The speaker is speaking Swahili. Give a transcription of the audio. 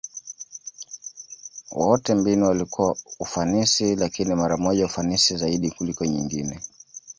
Wote mbinu walikuwa ufanisi, lakini mara moja ufanisi zaidi kuliko nyingine.